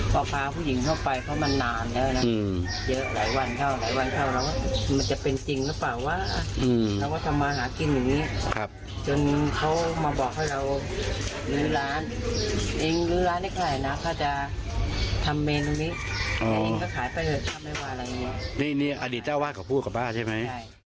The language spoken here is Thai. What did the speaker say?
ความเป็นไปเป็นมาอย่างไง